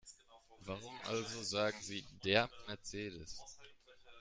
Warum also sagen Sie DER Mercedes?